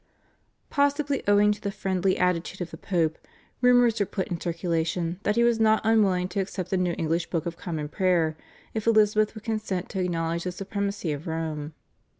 Possibly owing to the friendly attitude of the Pope, rumours were put in circulation that he was not unwilling to accept the new English Book of Common Prayer if Elizabeth would consent to acknowledge the supremacy of Rome.